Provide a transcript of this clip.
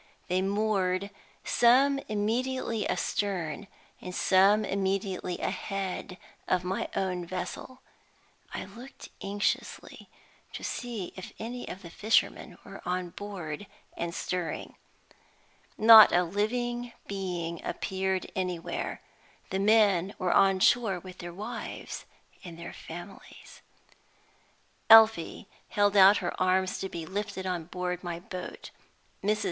They moored, some immediately astern and some immediately ahead of my own vessel. I looked anxiously to see if any of the fishermen were on board and stirring. Not a living being appeared anywhere. The men were on shore with their wives and their families. Elfie held out her arms to be lifted on board my boat. Mrs.